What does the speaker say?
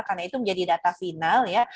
karena itu menjadi data final ya